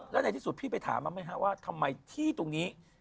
แล้วในที่สุดพี่ไปถามมาไหมฮะว่าทำไมที่ตรงนี้